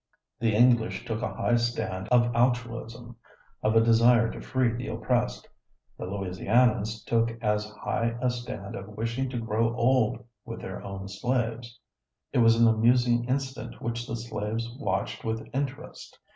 The English took a high stand of altruism, of a desire to free the oppressed; the Louisianians took as high a stand of wishing to grow old with their own slaves. It was an amusing incident which the slaves watched with interest.